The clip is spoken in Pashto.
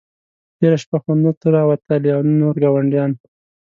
تېره شپه خو نه ته را وتلې او نه نور ګاونډیان.